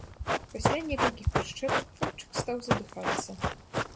Пасля некалькіх прышчэпак хлопчык стаў задыхацца.